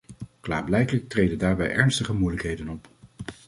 Klaarblijkelijk treden daarbij ernstige moeilijkheden op.